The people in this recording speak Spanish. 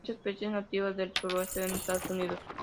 Esta especie es nativa del sureste de Estados Unidos.